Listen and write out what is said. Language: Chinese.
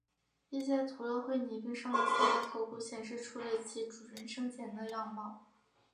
一些涂了灰泥并上了色的头骨显示出了其主人生前的样貌。